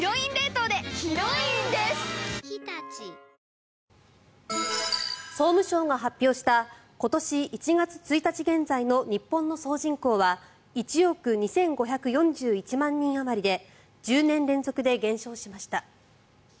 ニトリ総務省が発表した今年１月１日現在の日本の総人口は１億２５４１万人あまりで１０年連続で減少しました。